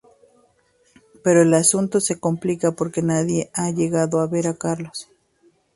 Pero el asunto se complica, porque nadie ha llegado a ver a Carlos.